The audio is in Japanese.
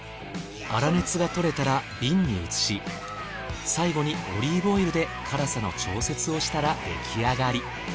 粗熱が取れたら瓶に移し最後にオリーブオイルで辛さの調節をしたら出来上がり。